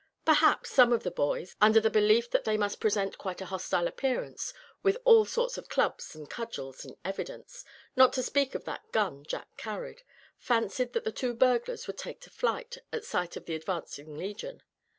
Perhaps some of the boys, under the belief that they must present quite a hostile appearance, with all sorts of clubs and cudgels in evidence, not to speak of that gun Jack carried, fancied that the two burglars would take to flight at sight of the advancing legion.